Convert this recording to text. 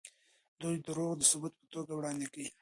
دوی دروغ د ثبوت په توګه وړاندې کوي.